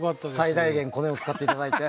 最大限コネを使っていただいて。